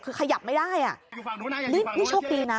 คือขยับไม่ได้อ่ะนี่โชคดีนะ